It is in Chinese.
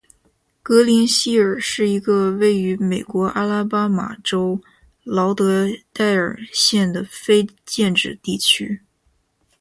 格林希尔是一个位于美国阿拉巴马州劳德代尔县的非建制地区。